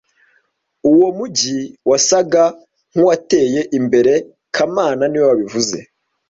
Uwo mujyi wasaga nkuwateye imbere kamana niwe wabivuze